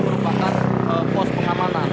merupakan pos pengamanan